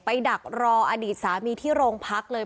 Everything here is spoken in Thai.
ดักรออดีตสามีที่โรงพักเลย